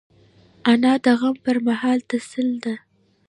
انا د غم پر مهال تسل ده